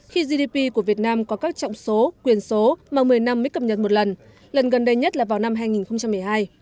khi gdp của việt nam có các trọng số quyền số mà một mươi năm mới cập nhật một lần lần gần đây nhất là vào năm hai nghìn một mươi hai